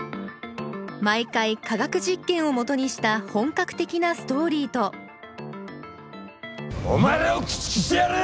毎回化学実験を基にした本格的なストーリーとお前らを駆逐してやる！